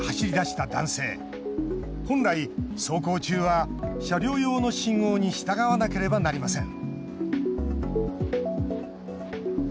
本来走行中は車両用の信号に従わなければなりません。